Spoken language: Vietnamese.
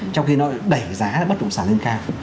trong khi nó đẩy giá bất động sản lên cao